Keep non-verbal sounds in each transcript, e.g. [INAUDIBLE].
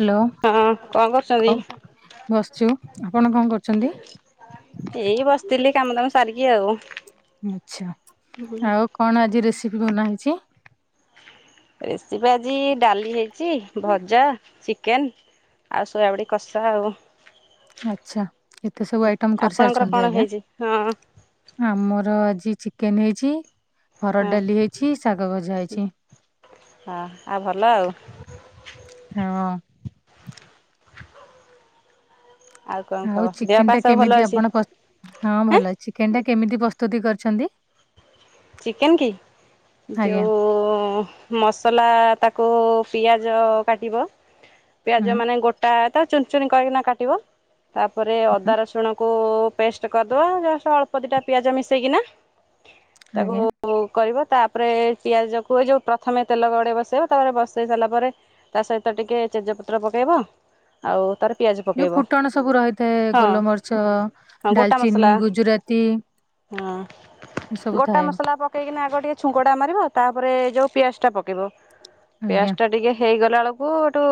Hello ହଁ କଣ କରୁଛନ୍ତି? କ ବସିଛୁ ଆପଣ କଣ କରୁଛନ୍ତି? ଏଇ ବସିଥିଲି କାମ ଦାମ ସାରିକି ଆଉ। ଆଛା ଆଉ କଣ ଆଜି ରେସିପି ବନା ହେଇଛି? ରେସିପି ଆଜି ଡାଲି ହେଇଛି ଭଜା ଚିକେନ। ଆଉ ସୋୟାବଡ଼ି କଷା ଆଉ। ଆଛା ଏତେ ସବୁ ଆଇଟମ ଆପଣଙ୍କର କରିସାରିଛନ୍ତି କଣ ଆଜ୍ଞା। ହେଇଛି? ହଁ ଆମର ଆଜି ଚିକେନ ହେଇଛି। ହରଡ଼ ହଁ ଡାଲି ହେଇଛି ଶାଗ ଭଜା ହେଇଛି। ହଁ ଆଉ ଭଲ ଆଉ ହଁ। କଣ ଆଉ ଖବର ଦେହ ଚିକେନ ପା ଟା ସବୁ ଭଲ କେମିତି ଅଛି? ଆପଣ କ ହଁ ଆଁ ଭଲ ଚିକେନ ଟା କେମିତି ପ୍ରସ୍ତୁତି କରିଛନ୍ତି? ଚିକେନ କି ଆଜ୍ଞା ଯଉ ମସଲା ତାକୁ କୁ ପିଆଜ କାଟିବ ହୁଁ ପିଆଜ ମାନେ ଗୋଟା ତା ଚୁନ ଚୁନି କରକିନା କାଟିବ ।ତାପରେ ହୁଁ ଅଦା ରସୁଣକୁ ପେଷ୍ଟ କରିଦବା ପେଷ୍ଟ ଅଳ୍ପ ଦିଟା ପିଆଜ ମିଶେଇକିନା ତାକୁ ଆଜ୍ଞା। କରିବ ତାପରେ ପିଆଜକୁ ଏ ଯଉ ପ୍ରଥମେ ତେଲ କଡ଼େଇ ବସେଇବ ତାପରେ ବସେଇ ସାରିଲା ପରେ ତା ସହିତ ଟିକେ ତେଜପତ୍ର ପକେଇବ ଆଉ ତାର ପିଆଜ ଯୋଉ ପକେଇବ ଫୁଟଣ ସବୁ ରହିଥାଏ ହଁ ଗୋଲମରିଚ, ହଁ ଗୋଟା ଡାଲଚିନ୍, ମସଲା ଗୁଜୁରାତି ହଁ ଗୋ ଏସବୁ ଗୋଟା ଥାଏ ମସଲା ପକେଇକିନା ଆଗ ଟିକେ ଛୁଙ୍କଟା ମାରିବ ତାପରେ ଯଉ ପିଆଜଟା ପକେଇବ। ଆଜ୍ଞା ପିଆଜ ଟା ଟିକେ ହେଇଗ ଗଲା ବେଳକୁ ଏଠୁ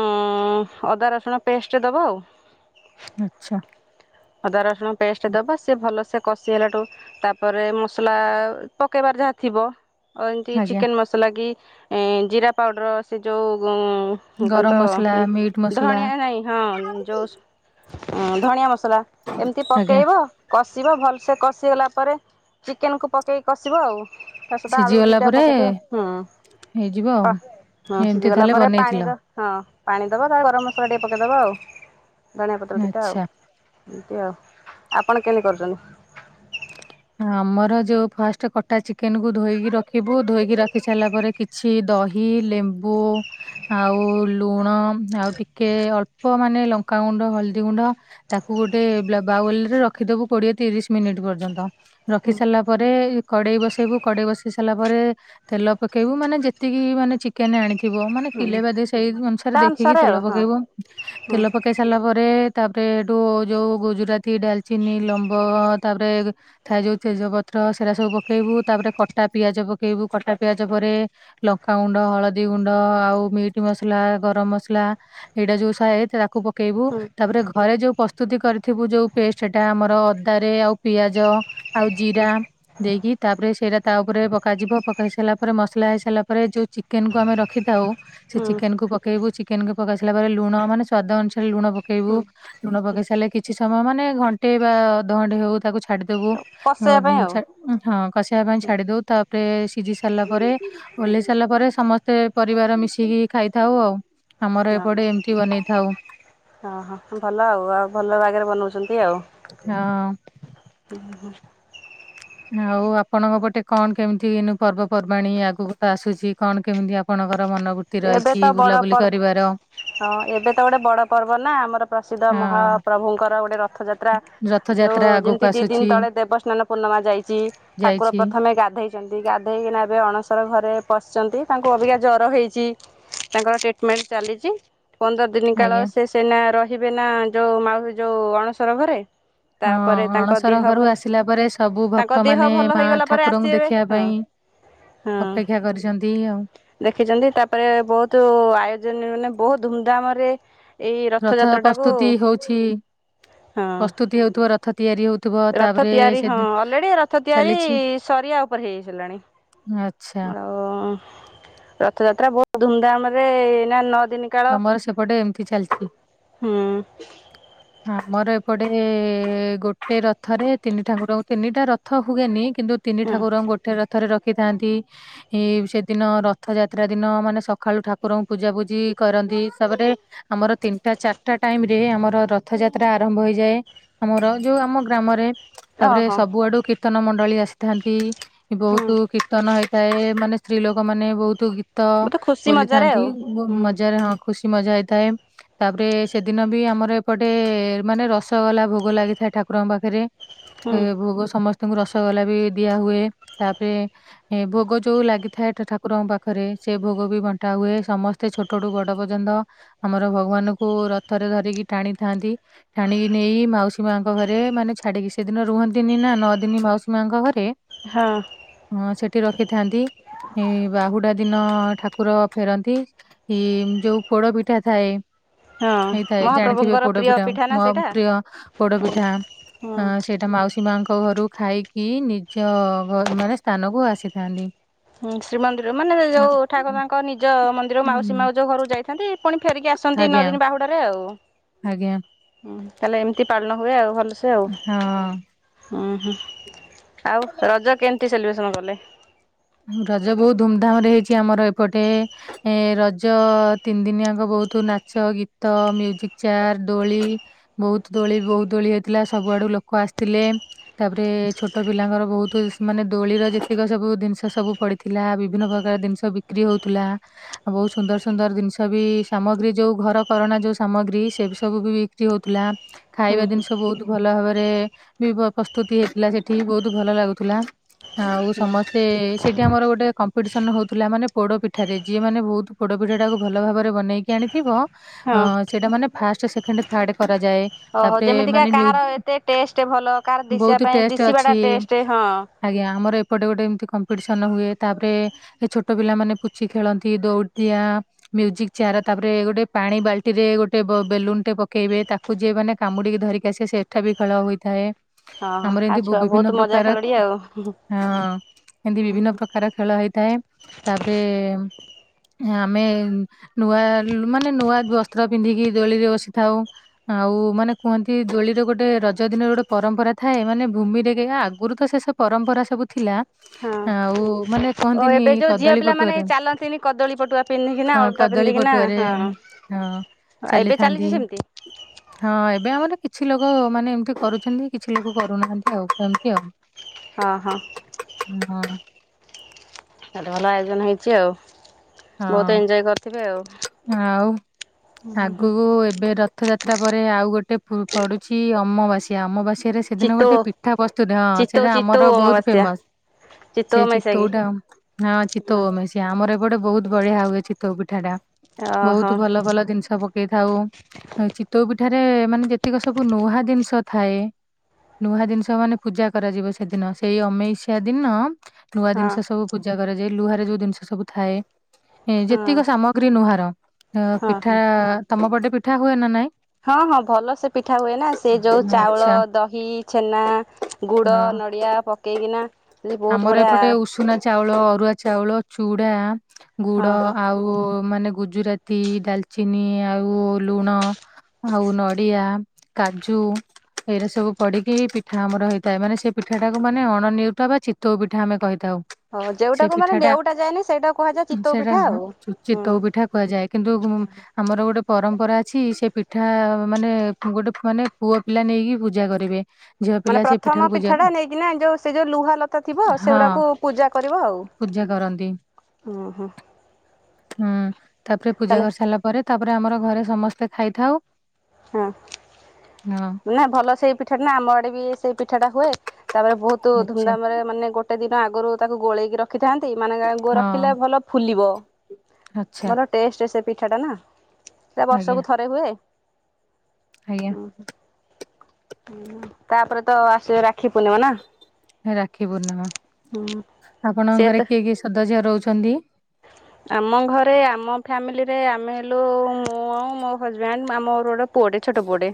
ଉଁ ଅଦା, ରସୁଣ ପେଷ୍ଟ ଦବ ଆଉ। ଆଚ୍ଛା! ଅଦା ରସୁଣ ପେଷ୍ଟ ଦବ ସିଏ ଭଲସେ କଷି ହେଲାଠୁ ତାପରେ ମ ମସଲା ପକେଇବାର ଯାହା ଥିବ ଏମିତି ଆଜ୍ଞା ଚିକେନ ମସଲା କି ଏ ଜିରା ପାଉଡର ସେ ଯୋଉ ଗୁଁ କଣ ତ ଗରମ ମସଲା ଉଁ ମିଟ୍ ମସଲା ଧଣିଆ ନାଇଁ ହଁ, ଯଉ ଉଁ ଧନିଆ ମସଲା ମ ଲା ଏମିତି ଆଜ୍ଞା ପକେଇବ କଷିବ ଭଲସେ କଷିଗଲା ପରେ ଚିକେନକୁୁ ପକେଇକି କଷିବ ଆଉ ତା ସହିତ ସିଝି ଆଳୁ ଗଲା ଦିଟା ପରେ ପକେଇଦବ ହୁଁ। ହେଇଯିବ ଆଉ ହଁ, ଏମିତି ସିଝି ଗଲା ତାହେଲେ ପରେ ପାଣି ଦ ବନେଇଥିଲ ହଁ, ପାଣି ଦବ ତାପରେ ଗରମ ମସଲା ଟିକେ ପକେଇଦବ ଆଉ। ଧଣିଆ ପତ୍ର ଦିଟା ଆଚ୍ଛା। ଆଉ ଏମିତି ଆଉ ଆପଣ କେମତି କରୁଚନ୍ତି? ହଁ, ଆମର ଯୋଉ ଫାଷ୍ଟ କଟା ଚିକେନକୁୁ ଧୋଇକି ରଖିବୁ। ଧୋଇକି ରଖି ସାରିଲା ପରେ କିଛି ଦହି ଲେମ୍ବୁ ଆଉ ଲୁଣ ଆଉ ଟିକେ ଅଳ୍ପ ମାନେ ଲଙ୍କାଗୁଣ୍ଡ ହଳଦୀ ଗୁଣ୍ଡ ତାକୁ ଗୋଟେ ବାଉଲ ରେ ରଖିଦବୁ କୋଡିଏ ତିରିଶି ମିନିଟ୍ ପର୍ଯ୍ୟନ୍ତ। ରଖି ହୁଁ ସାରିଲା ପରେ କଡେଇ ବସେଇବୁ, କଡେଇ ବସେଇ ସାରିଲା ପରେ ତେଲ ପକେଇବୁ, ମାନେ ଯେତିକି ମାନେ ଚିକେନ ଆଣିଥି ଥିବ ମାନେ କିଲେ ହୁଁ ବାଦ ସେଇ ଅନୁସାରେ ତା ଦେଖିକି ତେଲ ଆଉ ହଁ ପକେଇବୁ, ହୁଁ ତେଲ ପକେଇ ସାରିଲା ପରେ ତାପରେ ଏଠୁ ଯୋଉ ଗୁଜୁରାତି, ଡାଲଚିନି, ଲମ୍ବ ତାପରେ ଥାଏ ଯୋଉ ତେଜ ପତ୍ର ସେରା ସବୁ ପକେଇବୁ ତାପରେ କଟା ପିଆଜ ପକେଇବୁ କଟା ପିଆଜ ପରେ ଲ ଲଙ୍କା ଗୁଣ୍ଡ, ହଳଦୀ ଗୁଣ୍ଡ ଆଉ ମିଟ୍ ମସଲା, ଗରମ ମସଲା ଏଇଟା ଯୋଉ ସାଏ ତାକୁ ପ ପକେଇବୁ ହୁଁ ତାପରେ ଘରେ ଯେଉ ପ୍ରସ୍ତୁତି କରିଥିବୁ ଯେଉ ପେଷ୍ଟ ସେଟା ଆମର ଅଦାରେ ଆଉ ପିଆଜ ଆଉ ଜିରା ଦେଇକି ତାପରେ ସେଇଟା ତା ଉପରେ ପକାଯିବ, ପକେଇ ସାରିଲା ପରେ ମସଲା ହେଇ ସାରିଲା ପରେ ଯୋଉ ଚିକେନକୁ ଆମେ ରଖିଥାଉ ସେ ହୁଁ ଚିକେନକୁୁ ପକେଇବୁ ଚିକେନକୁ ପକେଇ ସାଇଲା ପରେ ଲୁଣ ମାନେ ସ୍ୱାଦ ଅନୁସାରେ ଲୁଣ ପକେଇବୁ ହୁଁ ଲୁଣ ପକେଇ ସାଇଲେ କିଛି ସମୟ ମାନେ ଘଣ୍ଟେ ବା ଅଧଘଣ୍ଟେ ହଉ ତାକୁ ଛାଡିଦବୁ। ହଁ, କଷେଇବା ପାଇଁ ଆଉ କସି ବା ପାଇଁ ଛାଡ଼ି ଦେଉ ତା ଟିକେ ସିଝି ସାରିଲା ପରେ ଓହ୍ଲେଇ ସାରିଲା ପରେ ସମସ୍ତେ ପରିବାର ମିଶିକି ଖାଇଥାଉ ଆଉ। ଆମର ଏପଟେ ଏମିତି ବନେଇଥାଉ। ଓହୋ! ଭଲ ଆଉ ଆଉ ଭଲ ଆଗରେ ବନଉଛନ୍ତି ଆଉ। ହଁ, ହୁଁ, ହୁଁ ଆଉ ଆପଣଙ୍କ ପଟେ କଣ କେମିତି ପର୍ବପର୍ବାଣିୀ ଆଗକୁ ତ ଆସୁଛି କଣ କେମିତି ଆପଣ ଙ୍କର ମନୋବୃତ୍ତି ଏବେ ରହିଛି ତ ବଡ଼ ବୁଲାବୁଲି ପର୍ବ କରିବାର ହଁ, ଏବେ ତ ଗୋଟେ ବଡ ପର୍ବ ନା ଆମର ପ୍ରସିଦ୍ଧ ମହାପ୍ରଭୁଙ୍କର ଗୋଟେ ର ରଥଯାତ୍ରା ରଥଯାତ୍ରା ଯୋଉ ଆଗକୁ ଯେମିତି ଦି ଆସୁଛି ଦିନ ତଳେ ଦେବସ୍ନାନ ପୂର୍ଣ୍ଣମା ଯାଇଛି ଠାକୁର ଯାଇଛି ପ୍ରଥମେ ଗା ଗାଧେଇଛନ୍ତି ଗାଧେଇକିନା ଏବେ ଅଣସର ପଶିଛନ୍ତି ତାଙ୍କୁ ଅଭିକା ଜର ହେଇଛି ତାଙ୍କର ଟ୍ରିଟମେଣ୍ଟ ଚାଲିଛି। ପନ୍ଦର ଦିନି କାଳ ଆଜ୍ଞା ସେ ସେନା ରହିବେ ନା ଯୋଉ ମାଉ ଯୋଉ ଅଣସର ଘରେ। ହଁ ତାପରେ ତାଙ୍କ ଅଣସର ଦେହ ଘରୁ ଭଲ ଆସିଲା ପରେ ସବୁ ତାଙ୍କ ଭକ୍ତ ଦେହ ମାନେ ଭଲ ମା ହେଇଗଲା ପରେ ଠାକୁରଙ୍କୁ ଆସିବେ ଦେଖିବା । ହଁ, ପାଇଁ ହଁ, ଅପେକ୍ଷା କରିଛନ୍ତି ଆଉ ଦେଖିଚନ୍ତି ତା ପରେ ବହୁତ ଆୟୋଜନ ମାନେ ବହୁତ ଧୁମଧାମ ରେ ଏଇ ରଥ ରଥଯାତ୍ରା ଟାକୁ ପ୍ରସ୍ତୁତି ହଉଛି ହଁ, ପ୍ରସ୍ତୁତି ହେଉଥିବ ରଥ ତିଆରି ହଉଥିବ ରଥ ତାପରେ ତିଆରି ସେ ହଁ, ଅଲରେଡି ରଥ ତିଆରି ସ ଆଉ ଉପ ପରହେଜ ିଲଣି। ଆଚଛା। ରଥଯାତ୍ରା ବହୁତ ଧୁମଧାମ ରେ ନ। ତମର ସେପଟେ ଏମିତି ଚାଲିଛି ହୁଁ ହ। ମୋର ଏପଟେ ଗୋଟେ ରଥରେ ତିନି ଠାକୁରଙ୍କୁ ତିନିଟା ରଥ ହୁଏନି । କିନ୍ତ ତିନି ହୁଁ ଠାକୁରଙ୍କୁ ଗୋେ ର। ରଥରେ ରଖିଥାନ୍ତି ସେଦିନ ରଥଯାତ୍ରା ଦିନ ମାନେ ସକାଳୁ ଠାକୁରଙ୍କୁ ପୂଜା ପୂଜି । କରନ୍ତିିସପରେ ଆମର ତିନିଟା ଚାରିଟା ଟାଇମ । ରେ ଆମର ରଥ ଯାତ୍ରା ଆରମ୍ଭ ହେଇଯାଏ ଆମର ଯଉ ଆମ ଗ୍ରାମରେ। ତାପରେ ଓହୋ ସବୁଆଡୁ କୀର୍ତ୍ତନ ମଣ୍ଡଳୀ ଆସିଥାନ୍ତି। ହୁଁ ବହୁତ କୀର୍ତ୍ତନ ହେଇଥାଏ ମାନେ ସ୍ତ୍ରୀ ଲୋକ ମାନେ ବହୁତ । ତ ବହୁତ ଖୁସି ମଜାରେ ବୋଲିଥାନ୍ତି ଆଉ ହୁଁ ମଜ। ହ ଖୁସି ମଜା ହେଇଥାଏ ତାପରେ ସେଦିନ ବି ଆମର ଏପଟେ ମାନେ ରସଗଲା ଭୋଗ। ଲାଗିଥାଏ ଠାକୁରଙ୍କ ପାଖରେ ହୁଁ ଭୋଗ ସମସ୍ତେ । ତାଙ୍କୁ ରସଗୋଲା ବି ଦିଆ ହଏ ତାପରେ ଏ ଭୋଗ ଯୋଉଁ ଲାଗିଥାଏ ଠାକୁରଙ୍କ ପାଖରେ। ସେ ଭୋଗ ବି ବଣ୍ଟା ହୁଏ ସମସ୍ତେ ଛୋଟ । ଛଟୁ ବଡ ପର୍ଯ୍ୟନ୍ତ ଆମର ଭଗବାନଙ୍କୁ ରଥରେ ଧରିକି ଟାଣିଥାନ୍ତି ଟାଣିକି ନେଇ । ମାଉସୀ ମାଙ୍କ ଘରେ ମାନେ ଛାଡିକି ସେଦିନ ରୁହନ୍ତିନି ନା ନଅ ଦିନି ମାଉସୀ ମାଙ୍କ ଘରେ । ହଁ [UNINTELLIGIBLE] ହ ସେଠି ରଖିଥାନ୍ତି, ଏ ବାହୁଡା ଦିନ ଠାକୁର ଫେରନ୍ତି, ଯୋଉ ପୋଡ ପିଠା ଥାଏ । ହଁ ହେଇଥାଏ ଜାଣିଥିବେ ମହାପ୍ରଭୁଙ୍କର ପ୍ରିୟ ପୋଡପିଠା, ପିଠା ନା ମୋ ସେଇଟା ପ୍ରିୟ ହୁଁ ପୋଡପିଠା ହୁଁ । ହଁ ସେଇଟା ମାଉସୀ ମାଙ୍କ ଘରୁ ଖାଇକି ନିଜ ମାନେ ସ୍ଥାନକୁ ଆସିଥାନ୍ତି। ହୁଁ, ଶ୍ରୀମନ୍ଦିର ମାନେ ଆଁ, ଯୋଉ ଠାକୁରଙ୍କ ନିଜ ମନ୍ଦିର ମାଉସୀ ଉଁ, ମା ଯୋଉ ଘରକୁ ଯାଇଥାନ୍ତି ପୁଣି ଫେରିକି ଆସନ୍ତି ଆଜ୍ଞା ନଦିନି ବାହୁଡ଼ାରେ ଆଉ । ଆଜ୍ଞା। ହ ତାହାଲେ ଏମିତି ପାଳନ ହୁଏ ଆଉ ଭଲ ହଁ। ଆଉ ରଜ କେମିତି ସେଲିବ୍ରେସନ କଲେ? ରଜ ବହୁତ ଧୁମଧାମ ରେ ହେଇଛି ଆମର ଏପଟେ, ଏ ରଜ ତିନି ଦିନିଆଙ୍କ ବହୁତ ବହୁତ ନାଚ ଗୀତ, ମ୍ୟୁଜିକ ଚେଆର୍, ଦୋଳି ବହୁତ ଦୋଳି ବହୁତ ଦୋଳି, ହେଇଥିଲା ସବୁଆଡେ । [UNINTELLIGIBLE] ଲୋକ ଆସିଥିଲେ, ତାପରେ ଛୋଟ ପିଲାଙ୍କର ବହୁତ ମାନେ ଦୋଳିର ଯେତିକ ସବୁ ଜି ସବୁ ପଡିଥିଲା, ବିଭିନ୍ନ ପ୍ରକାର ଜିନିଷ ବିକ୍ରି ହଉଥିଲା, ଆଉ ବହୁତ ସୁନ୍ଦର ସୁନ୍ଦର ଜିନିଷ ବି ସାମଗ୍ରୀ ଯୋଉ ଘର କରଣା ଯୋଉ ସାମଗ୍ରୀ, ସେ ସବୁ ବି ବିକ୍ରି ହଉଥିଲା, ହୁଁ ଖାଇବା ହୁଁ ଜିନିଷ ବ ଭଲ ଭାବରେ ବି ପ୍ରସ୍ତୁତି ହେଇଥିଲା ସେଠି, ବହୁତ ଭଲ ଲାଗୁଥିଲା। ଆଉ ସମସ୍ତେ ସେଇଠି ଆମର ଗୋଟେ କମ୍ପିଟିସନ ହେଉଥିଲା ମାନେ ପୋଡ଼ ପିଠାରେ, ଯିଏ ମାନେ ବହୁତ ପୋଡ଼ ପିଠାଟାକୁ ଭାବରେ ବନେଇକି ଆ [UNINTELLIGIBLE] ହଁ [UNINTELLIGIBLE] ଏ ଓହୋ ତାପରେ ଯେମିତିକା ମାନେ କାହାର ଏତେ ଟେଷ୍ଟ ଭଲ କାହାର ଦିଶିବା ବହୁତ ପାଇଁ ଟେଷ୍ଟ ଦିଶିବାଟା ଅଛି। ଟେଷ୍ଟ ହଁ। ଆଜ୍ଞା, ଆମର ଏପଟ ଗୋଟେ ଏମତି କମ୍ପିଟିସନ ହୁଏ, ତାପରେ ଛୋଟ ପିଲାମାନେ ପୁଚି ଖେଳନ୍ତି, ଦଉଡିଡିଆଁ, ମ୍ୟୁଜିକ୍ ଚେଆର୍ ତାପରେ ଗୋଟେ ପାଣି ବାଲ୍ଟିରେ ଗୋଟେ ବେଲୁନ ଟେ ପକେଇବେ, ତାକୁ ଯିଏ ମାନେ କାମୁଡିକି ଧରିକି ଆସିବେ ସେଠା ବି ଖେଳ ହୋଇଥାଏ, ହଁ ଆମର ଆଉ ଏମତି ଛୁଆ ବିଭିନ୍ନ ବହୁତ ମଜା ପ୍ରକାର, ଖେଳଡି ଆଉ। ହଁ ଏମିତି ହଁ ବିଭିନ୍ନ ପ୍ରକାର ଖେଳ ହେଇଥାଏ, ତାପରେ ଆମେ ନୂଆ ମାନେ ନୂଆ ବସ୍ତ୍ର ପିନ୍ଧିକି ଦୋଳିରେ ବସିଥାଉ। ଆଉ ମାନେ କୁହନ୍ତି ଦୋଳିର ଗୋଟେ ରଜଦିନର ଗୋଟେ ପରମ୍ପରା ଥାଏ, ମାନେ ଭୂମିରେ ଆଗରୁ ତ ସେ ସବ। ପରମ୍ପରା ସବୁ ଥିଲା, ଆଉ ମାନେ ଓ କୁହନ୍ତିନି ଏବେ ଯୋଉ ଝିଅ କଦଳୀ ପିଲାମାନେ ପଟୁଆରେ, ଚାଲନ୍ତିନି କଦଳୀ ପଟୁଆ ପିନ୍ଧିକିନା ହଁ ଅଳତା କଦଳୀ ପିନ୍ଧିକିନା ପଟୁଆରେ ହଁ। ହଁ। ଏବେ ଚାଲିଥାନ୍ତି ଚାଲିଛି ସେମିତି? ହଁ ଏବେ ଆମର କିଛି ଲୋକ ମାନେ ଏମତି କରୁଛନ୍ତି, କିଛି ଲୋକ କରୁନାହାନ୍ତି ଆଉ ଏମିତି ଆଉ। ହଁ ହଁ। ହଁ ଗୋଟେ ଭଲ ଆୟୋଜନ ହୋଇଛି ଆଉ ହଁ ବହୁତ ଏଞ୍ଜୟ କରିଥିବେ ଆଉ। ଆଉ ଆଗକୁ ଏବେ ର ରଥଯାତ୍ରା ପରେ ଆଉ ଗୋଟେ ପ-ପଡୁଛି ଅମବାସ୍ୟା ଅମବାସ୍ୟା। ସେ ସେଦିନ ଚିତଉ ଗୋଟେ ପିଠା ପ୍ରସ୍ତୁତି ହଁ, ଚିତଉ ସେଇଟା ଚିତଉ ଆମର ବହୁତ ଅମାବାସ୍ୟା ଫେମସ। ଚିତଉ ସେ ଅମାବାସ୍ୟା କି? ଚିତଉଟା ହଁ ଚିତତଉ ଅମାବାସ୍ୟା ଆମର ଏପଟେ ବହୁତ ବଢିଆ ହୁଏ ଚିତଉ ପିଠା ଟା। ଓହୋ ହଁ ବହୁତ ଭଲ ଭଲ ଜିନିଷ ପକେଇଥାଉ, ଚିତଉ ପି ଏଠାରେ ମାନେ ଯେତିକ ସବୁ ନୂହା ଜିନିଷ ଥାଏ ନୂହା ଜିନିଷ ମାନେ ପୂଜା କରାଯିବ ସେଦିନ, ସେଇ ଅମେଇଷିଆ ଦିନ ନୂଆ ହଁ ଜିନିଷ ସବୁ ପୂଜା କରାଯାଏ, ଲୁହାରେ ଯୋଉ ଜିନିଷ ସବୁ ଥାଏ। ଏ ଯେତିକ ସାମଗ୍ରୀ ନୁହାର, ଅ, ହଁ ହଁ। ପିଠା ତମ ପଟେ ପିଠା ହୁଏ ନା ନାଇଁ? ହଁ ହଁ ଭଲ ସେ ପିଠା ହୁଏ ନା, ସେ ଯୋଉ ଚାଉଳ, ଆଚ୍ଛା ଦହି, ଛେନା, ଗୁଡ। ହଁ ନଡିଆ ପକେଇକିନା ସେ ଯ ବହୁତ ଆମର ବଢିଆ ଏପଟେ ଉଷୁନା ଚାଉଳ ଅରୁଆ ଚାଉଳ, ଚୁଡ଼ା, ଗୁଡ଼ ହଁ ହଁ ଆଉ- ମାନେ ଗୁଜୁରାତି, ଡାଲଚିନି ଆଉ ଲୁଣ ଆଉ ନଡ଼ିଆ। କାଜୁ, ଏଇରା ସବୁ ପଡିକି ପିଠା ଆମର ହେଇଥାଏ ମାନେ, ସେ ପିଠାଟାକୁ ମାନେ ଅଣ ନେଉଟା ବା ଚିତ ଚିତଉ ପିଠା ଆମେ କହିଥାଉ। ହଉ ସେ ଯୋଉଟାକୁ ପିଠା ମାନେ ଟା ନେଉଟା ଯାଏନି ସେଇଟା କୁହାଯାଏ ଚି ସେଟା ଚି ଚିତଉ ପିଠା କୁହାଯାଏ କିନ୍ତୁ ଆମର ଗୋଟେ ପ ପରମ୍ପରା ଅଛି ସେ ପିଠା ମାନେ ଗୋଟେ ମାନେ ପୁଅ ପିଲା ନେଇକି ପୂଜା କରିବେ। ଝିଅ ମାନେ ପିଲା ସେ ପ୍ରଥମ ପିଠାକୁ ପୂଜା ପିଠା ଟା ନେଇକିନା ଯୋଉ ସେ ଯୋଉ ଲୁହା ଲତା ଥିବ ସେଗୁରାକୁ ପୂଜା କରିବ ଆଉ। ଜା କରନ୍ତି। ଓ ହୋ। ହୁଁ ତାପରେ ପୂଜା ତାହେଲେ କରି ସାରିଲା ପରେ ତାପରେ ଆମର ଘରେ ସମସ୍ତେ ଖାଇଥାଉ। ହଁ ହଁ ନା ଭଲ ସେଇ ପିଠାଟା ନା ଆମ ଆଡେ ବି ସେଇ ପିଠା ଟା ହୁଏ। ତାପରେ ବହୁତୁ ଆଚ୍ଛା ଧୁମଧାମରେ ମାନେ ଗୋଟେ ଦିନ ଆଗରୁ ତାକୁ ଗୋଳେଇକି ରଖ ରଖିଥାନ୍ତି ମାନେ ଗୋ ହଁ ରଖିଲେ ଭଲ ଫୁଲିବ ଆଚ୍ଛା ଭଲ ଟେଷ୍ଟ ସ ପିଠା ଟା ନା ସେ ଆଜ୍ଞା ବର୍ଷକୁ ଥରେ ହୁଏ। ଆଜ୍ଞା ଓହୋ ତାପରେ ତ ଆସିବ ରା ରାକ୍ଷୀ ପୂର୍ଣିମା ହୁଁ ସେ ଆପଣଙ୍କ ତ ଘରେ କିଏ କିଏ ସଦାଝିଅ ରହୁ ଛନ୍ତି। ଆମ ଘରେ ଆମ ଫ୍ୟାମିଲିରେ ଆମେ ହେଲୁ ମୁଁ ଆଉ ମୋ ହଜବେଣ୍ଡ ମାଆମର ଗୋଟେ ପୁଅଡଟେ ଛୋଟ ପୁଅଟେ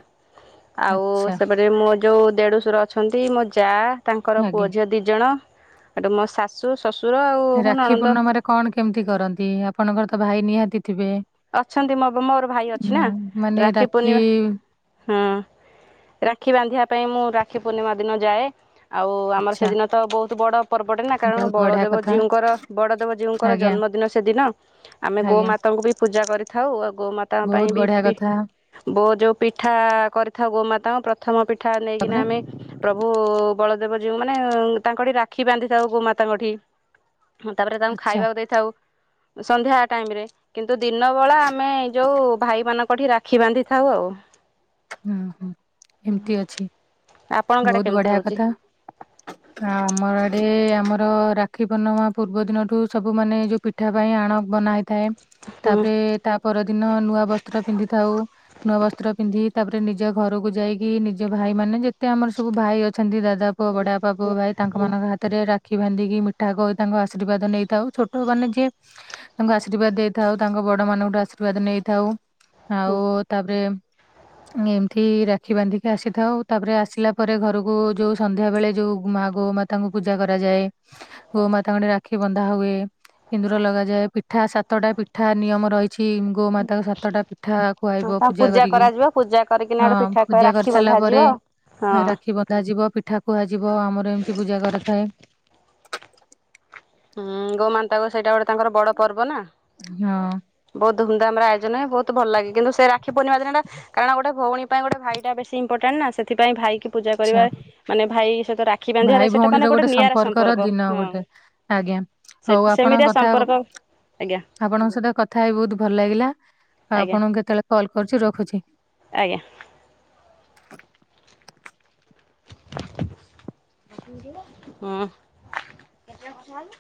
ଆଉ ଆଚ୍ଛା ସେପଟେ ମୋ ଯଉ ଦେଢ଼ୁଶର ଅଛନ୍ତି ମୋ ଯା। ତାଙ୍କର ପୁଅ ଆଜ୍ଞା ଝିଅ ଦି ଜଣ ଏଠୁ ମୋ ଶାଶୁ। ଶ୍ୱଶୁର ଆଉ ମୋ ରାକ୍ଷୀ ନଣନ୍ଦ ପୂର୍ଣ୍ଣମାରେ କଣ କେମିତି କରନ୍ତି ଆପଣଙ୍କର ତ ଭାଇ ନିହାତି। ଥିବେ ଅଛନ୍ତି ମୋ ମୋର ଭାଇ ଅଛି ନା ହଁ ମାନେ ରାକ୍ଷୀ ପୂର୍ଣିମା ହୁଁ ରାକ୍ଷୀ ବାନ୍ଧିବା ପାଇଁ ମୁଁ ରାକ୍ଷୀ ପୂର୍ଣ୍ଣିମା ଦିନ ଯାଏ। ଆଉ ଆମର ଆଚ୍ଛା ସେଦିନ ତ ବହୁତ ବଡ଼। ପର୍ବଟେ ନା କାରଣ ବହୁତ ବଢିଆ ବଳଦେବ କଥା ଜିଉଙ୍କର ବଡଦେବ ଜିଉଙ୍କର ଆଜ୍ଞା ଜନ୍ମଦିନ ସେଦିନ ଆମେ ଗୋ ଆଜ୍ଞା ମାତାଙ୍କୁ ବି। ପୂଜା କରିଥାଉ ଆଉ ଗୋମାତାଙ୍କ ପାଇଁ ବହୁତ ବି ବଢିଆ ପି କଥା ବୋ ଯଉ ପିଠା କରିଥାଉ ଗୋମାତାଙ୍କୁ ପ୍ରଥମ ପିଠା ନେଇକିନା ତାପରେ ଆମେ ପ୍ରଭୁ। ବଳଦେବ ଯିଉ ମାନେ ତାଙ୍କଠି ରାକ୍ଷୀ ବାନ୍ଧିଥାଉ ଗୋମାତାଙ୍କଠି। ତାପରେ ତାଙ୍କୁ ଆଚ୍ଛା ଖାଇବାକୁ ଦେଇଥାଉ ସନ୍ଧ୍ୟା ଟାଇମ ରେ। କିନ୍ତୁ ଦିନ ବେଳା ଆମେ ଏଇ ଯୋଉ ଭାଇମାନଙ୍କଠି ରାକ୍ଷୀ ବାନ୍ଧି ଥାଉ ଆଉ। ଓ ହୋଁ ଏମତି ଅଛି ଆପଣଙ୍କ ଆଡେ ବହୁତ କେମିତି ବଢିଆ ହଉଛି? କଥା। ହ ଆମର ଏଠି। ଆମର ରାକ୍ଷୀ ପୂର୍ଣ୍ଣିମା ପୂର୍ବ ଦିନଠୁ ସବୁ ମାନେ ଯୋଉ ପିଠା ପାଇଁ ଆଣ ବନା ହେ ଥାଏ ହୁଁ ତାପରେ ତା ପରଦିନ ନୂଆ ବସ୍ତ୍ର ପିନ୍ଧି ଥାଉ ନୂଆ ବସ୍ତ୍ର ପିନ୍ଧି। ତାପରେ ନିଜ ଘରକୁ ଯାଇକି ନିଜ ଭାଇ ମାନେ ଯେତେ ଆମର ସବୁ ଭାଇ ଅଛନ୍ତି ଦା ା ପୁଅ ବଢଆ ପା ପୁ ଭାଇ ତାଙ୍କମାନଙ୍କ ହାତରେ ରାଖି ବାନ୍ଧିକି ମିଠା ଖଇ ତାଙ୍କ ଆଶୀର୍ବାଦ ନେଇଥାଉ ଛୋଟମାନେ ଯିଏ ତାଙ୍କୁ ଆଶୀର୍ବାଦ ଦେଇଥାଉ ତାଙ୍କ ବଡ ମାନଙ୍କଠୁ ଆଶୀର୍ବାଦ ନେଇଥାଉ ହଁ ଆଉ ତାପରେ ଏମିତି ରାକ୍ଷୀ ବାନ୍ଧିକି ଆସିଥାଉ ତାପରେ ଆସିଲା ପରେ ଘରକୁ ଯୋଉ ସନ୍ଧ୍ୟା ବେଳେ ଯୋଉ ମା ଗ ଗୋମାତାଙ୍କୁ ପୂଜା କରାଯାଏ ଗୋମାତା ଙ୍କ ଠେ ରାକ୍ଷୀ ବନ୍ଧା ହୁଏ। ସିନ୍ଦୁର ଲଗାଯାଏ ପିଠା ସାତଟା ପିଠା ନିୟମ ରହିଛି। ଅଛି ଗୋମାତା ସାତଟା ପିଠା ଖୁଆଇବ ତା ପୂଜା କରିକି। କରାଯିବ ପୂଜା କରିକିନା ହଁ ଗୋଟେ ପିଠା ଖୁଆ ପୂଜା କରି ରାକ୍ଷୀ ସାରିଲା ବନ୍ଧାଯିବ। ପରେ ହଁ ରାକ୍ଷୀ ବନ୍ଧା ଯିବ ପିଠା କୁହାଯିବ ଆମର ଏମିତି ପୂଜା କରିଥାଏ। ହୁଁ ଗୋମାନ୍ତା ଙ୍କ ସେଇଟା ଗୋଟେ ତାଙ୍କର ବଡ ପର୍ବ ନା ହଁ ଆଚ୍ଛା ବହୁ ଧୁମନ୍ଦାମ ରେ ଆୟୋଜନ ହେବ ବହୁ ଭଲ ଲାଗେ କିନ୍ତୁ ସେ ରାଖୀ ପୁର୍ଣିମା ଦିନଟା କାରଣ ଗୋଟ ଭଉଣୀ ପାଇଁ ଗୋଟ ଭଇଟା ବେଶୀ ଇମ୍ପୋଟାଣ୍ଟ ନା ସେଥିପାଇଁ ଭାଇି କି ପୂଜା କରିବା ମାନେ ଭାଇ ସହିତ ରା ଭାଇ ଭଉଣୀର ଗୋଟେ ସମ୍ପର୍କର ଦିନ ହଁ। ଗୋଟେ। ଆଜ୍ଞା ସେ ହଉ ସେମିତିଆ ଆପଣଙ୍କ କଥା ସମ୍ପର୍କ ଆଜ୍ଞା ଆପଣଙ୍କ ସହିତ କଥା ହେଇ ବହୁତ ଭଲ ଲାଗିଲା ଆଉ ଆଜ୍ଞା ଆପଣଙ୍କୁ କେତେବେଳେ କଲ କରୁଛି ରଖୁଛି। ଆଜ୍ଞା। [INAUDIBLE] ହଁ [INAUDIBLE]